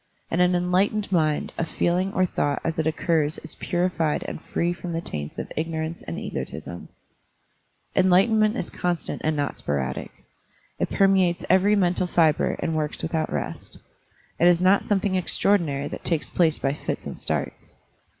In an enlightened mind a feeling or thought as it occurs is purified and free from the taints of ignorance and egotism; Enlightenment is constant and not sporadic. It permeates every mental fibre and works without rest. It is not something extraor dinary that takes place by fits and starts.